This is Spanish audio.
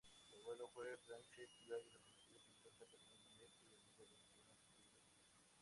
Su abuelo fue Francesc Galí, reconocido pintor catalán, maestro y amigo de Joan Miró.